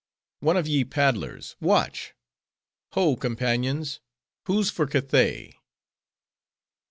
"One of ye paddlers, watch: Ho companions! who's for Cathay?"